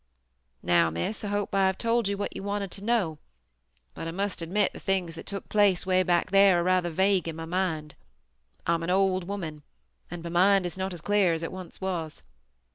"Now, Miss, I hope I have told you what you wanted to know, but I must admit the things that took place way back there are rather vague in my mind. I'm an old woman and my mind is not as clear as it once was.